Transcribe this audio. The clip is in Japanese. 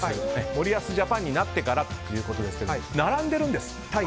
森保ジャパンになってからですが並んでいるんです。